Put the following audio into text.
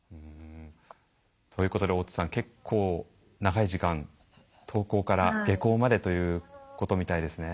ということで大津さん結構長い時間登校から下校までということみたいですね。